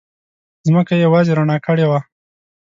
ځمکه یې یوازې رڼا کړې وه.